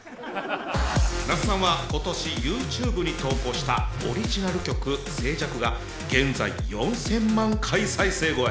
Ｎａｓｕさんは今年ＹｏｕＴｕｂｅに投稿したオリジナル曲「静寂」が現在４，０００万回再生超え。